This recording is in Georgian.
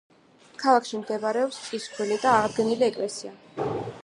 ქალაქში მდებარეობს წისქვილი და აღდგენილი ეკლესია.